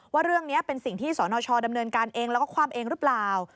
ว่าเรื่องนี้เป็นสิ่งที่สนชดำเนินการเองแล้วก็คว่ำเองหรือเปล่า